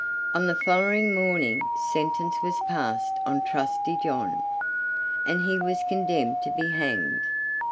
On the following morning sentence was passed on Trusty John, and he was condemned to be hanged.